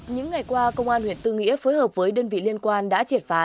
những ngày qua công an huyện tư nghĩa phối hợp với đơn vị liên quan đã triệt phá